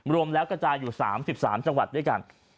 รวมแล้วกระจายอยู่๓๓จังหวัดด้วยกัน